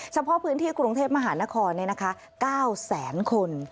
เฉพาะพื้นที่กรุงเทพมหานครเนี่ยนะคะ๙แสนคน